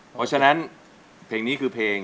เพราะฉะนั้นเพลงนี้คือเพลง